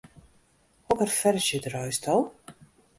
Hokker ferzje draaisto?